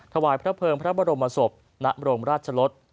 ถวายพระเภิงพระบรมศพณบรมราชลด